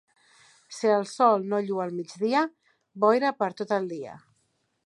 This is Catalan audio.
Si el sol no lluu al migdia, boira per tot el dia.